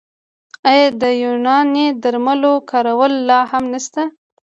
آیا د یوناني درملو کارول لا هم نشته؟